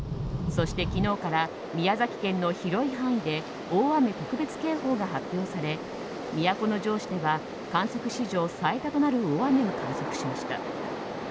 そして昨日から宮崎県の広い範囲で大雨特別警報が発表され都城市では観測史上最多となる大雨を観測しました。